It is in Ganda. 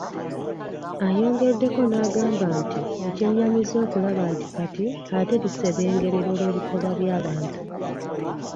Ayongeddeko n'agamba nti kyennyamiza okulaba nti kati ate lisebengerera olw'ebikolwa by'abantu.